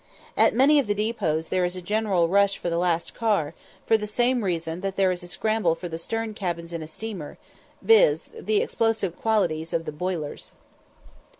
At many of the depots there is a general rush for the last car, for the same reason that there is a scramble for the stern cabins in a steamer, viz. the explosive qualities of the boilers.